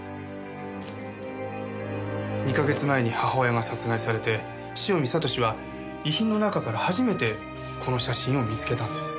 ２か月前に母親が殺害されて汐見悟志は遺品の中から初めてこの写真を見つけたんです。